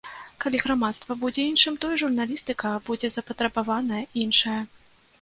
Калі грамадства будзе іншым, то і журналістыка будзе запатрабаваная іншая.